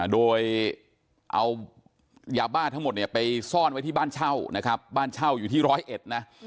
โดยเอายาบ้าทั้งหมดเนี่ยไปซ่อนไว้ที่บ้านเช่านะครับบ้านเช่าอยู่ที่ร้อยเอ็ดนะ